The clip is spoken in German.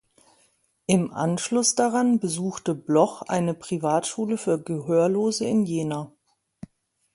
Im Anschluss daran besuchte Bloch eine Privatschule für Gehörlose in Jena.